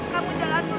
kamu jangan duluan